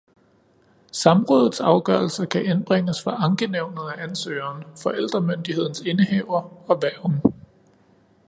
Samrådets afgørelse kan indbringes for ankenævnet af ansøgeren, forældremyndighedens indehaver og værgen